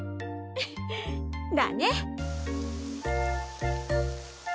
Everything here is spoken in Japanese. フフッだね！